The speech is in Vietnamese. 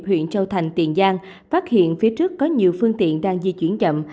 huyện châu thành tiền giang phát hiện phía trước có nhiều phương tiện đang di chuyển chậm